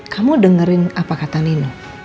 kamu dengerin apa kata nino